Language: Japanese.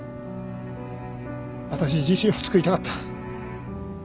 私自身を救いたかった。